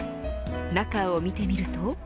中を見てみると。